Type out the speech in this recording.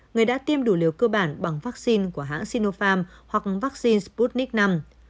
người đã tiêm đủ liều cơ bản bằng vaccine của hãng sinopharm hoặc vaccine sputnik v